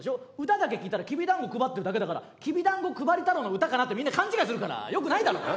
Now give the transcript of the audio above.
歌だけ聴いたらきび団子配ってるだけだから「きび団子配り太郎」の歌かなってみんな勘違いするからよくないだろ。